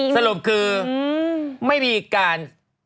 สรุปคือไม่มีการ